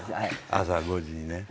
朝５時にね。